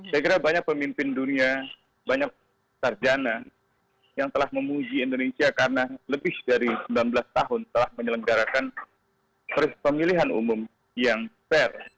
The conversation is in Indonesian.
saya kira banyak pemimpin dunia banyak sarjana yang telah memuji indonesia karena lebih dari sembilan belas tahun telah menyelenggarakan pemilihan umum yang fair